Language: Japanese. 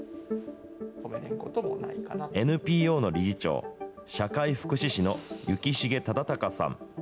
ＮＰＯの理事長、社会福祉士の幸重忠孝さん。